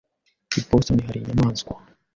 I Boston hari inyamanswa?